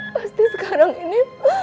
pasti sekarang ini